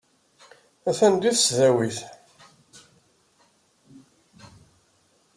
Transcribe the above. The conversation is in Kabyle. Atan deg tesdawit.